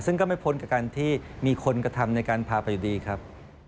ซึ่งก็ไม่พ้นกับการที่มีคนกระทำในการพาไปอยู่ดีครับ